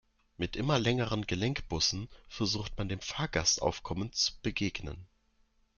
Mit immer längeren Gelenkbussen versucht man, dem Fahrgastaufkommen zu begegnen.